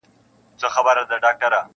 • پر خوني لارو مي خیژي د خوبونو تعبیرونه -